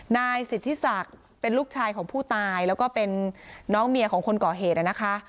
นายสิทธิศักดิ์เป็นลูกชายของผู้ตายแล้วก็เป็นน้องเมียของคนก่อเหตุนะคะ